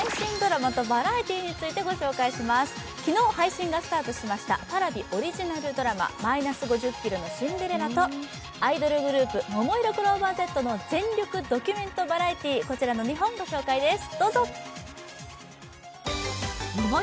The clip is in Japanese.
昨日配信がスタートしましたＰａｒａｖｉオリジナルドラマ、「−５０ｋｇのシンデレラ」とアイドルグループ、ももいろクローバーＺの全力ドキュメントバラエティー、こちら２本です。